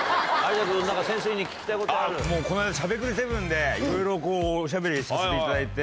この間『しゃべくり００７』でいろいろおしゃべりさせていただいて。